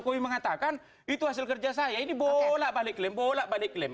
jokowi mengatakan itu hasil kerja saya ini bola balik klaim bolak balik klaim